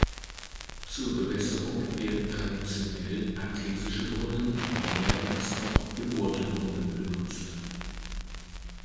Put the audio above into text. Zur Bewässerung werden traditionell artesische Brunnen, neuerdings auch gebohrte Brunnen benutzt.